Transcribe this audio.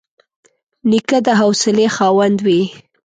نیکه د حوصلې خاوند وي.